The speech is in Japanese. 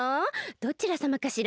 どちらさまかしら？